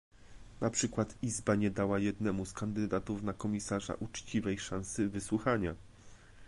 Na przykład Izba nie dała jednemu z kandydatów na komisarza uczciwej szansy wysłuchania